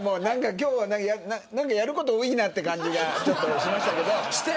今日はやること多いなって感じがしましたけど。